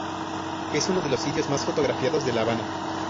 Es uno de los sitios más fotografiados de La Habana.